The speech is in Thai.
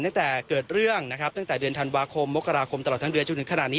ตั้งแต่เกิดเรื่องนะครับตั้งแต่เดือนธันวาคมมกราคมตลอดทั้งเดือนจนถึงขนาดนี้